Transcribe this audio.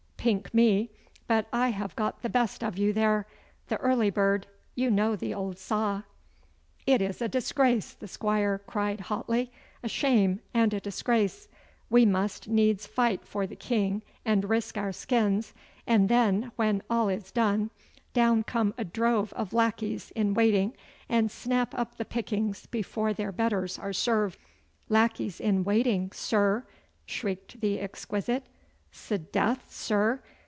Pink me, but I have got the best of you there! The early bird you know the old saw!' 'It is a disgrace,' the squire cried hotly. 'A shame and a disgrace. We must needs fight for the King and risk our skins, and then when all is done, down come a drove of lacqueys in waiting, and snap up the pickings before their betters are served.' 'Lacqueys in waiting, sir!' shrieked the exquisite. 'S'death, sir!